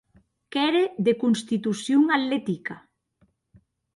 Qu'ère de constitucion atletica.